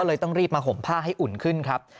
ต้องรีบมาห่มผ้าให้อุ่นขึ้นครับ